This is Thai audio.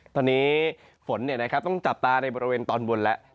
ตอนนี้ฝนต้องจับตาในบริเวณตอนบนแล้ว